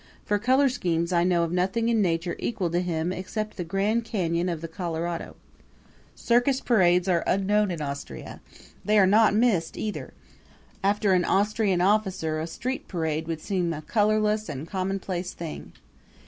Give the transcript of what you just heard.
For color schemes I know of nothing in Nature to equal him except the Grand Canyon of the Colorado. Circus parades are unknown in Austria they are not missed either; after an Austrian officer a street parade would seem a colorless and commonplace thing.